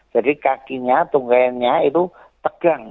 jadi kakinya tunggainya itu tegang